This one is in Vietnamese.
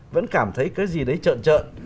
vẫn cảm thấy cái gì đấy trợn trợn